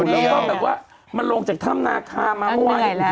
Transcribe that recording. มันต้องแบบว่ามันลงจากถ้ำหน้าค่ามาเมื่อไหร่